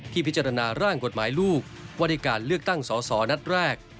พิจารณาร่างกฎหมายลูกว่าด้วยการเลือกตั้งสอสอนัดแรก